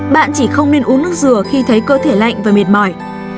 bạn chỉ không nên uống nước dừa khi thấy cơ thể lạnh và mệt mỏi